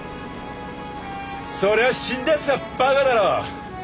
そりゃ死んだやつがばかだろ。